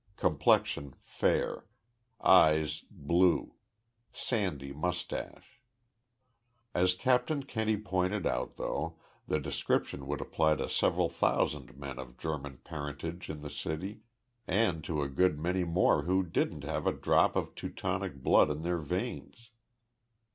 Complexion, fair. Eyes, blue. Sandy mustache." As Captain Kenney pointed out, though, the description would apply to several thousand men of German parentage in the city, and to a good many more who didn't have a drop of Teutonic blood in their veins.